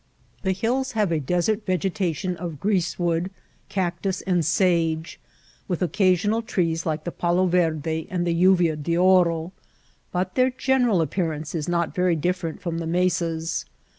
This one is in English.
The hills have a desert vegetation of grease wood, cactus, and sage, with occasional trees like the palo verde and the 11 u via d^oro ; but their general appearance is not very different from the mesas.